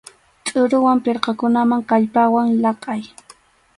Tʼuruwan pirqakunaman kallpawan laqʼay.